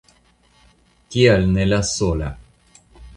Kial ne la sola?